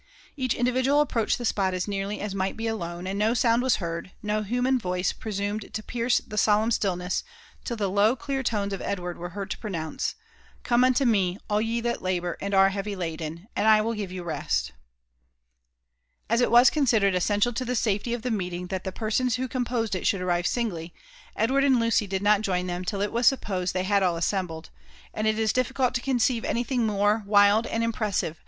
£achindi.vidual approached the ^pot as nearly as might be alone« and no sound waa heard, no human voice prasun^ jto pierce the solemn stillness till the low clnar tones ^ Edward were beard to pronounce *' CmHewktQme,aUyeth<UMA(mrundmfwhmif§ iaden, and Iwiligive y»u f$t" As it was considered essential \b (he safety <of ib^ nieeting tbat thf persons who eomposed itabou(d arrive .singly, fidw^^l^nd ^oy did not join them till it was supposed Hiey had sU Msembkd; jywlst jp difficult to conceive anything more wild and impi;^ssiva.